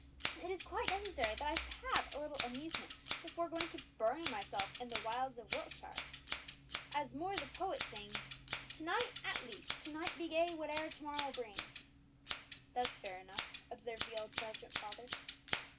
"It is quite necessary that I should have a little amusement before going to bury myself in the wilds of Wiltshire. As Moore the poet sings, 'To night at least, to night be gay, Whate'er to morrow brings!'" "That's fair enough," observed the indulgent father.